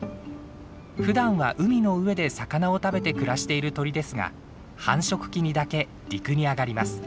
ふだんは海の上で魚を食べて暮らしている鳥ですが繁殖期にだけ陸に上がります。